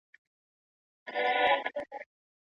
موږ پر وخت کار پيل کړی.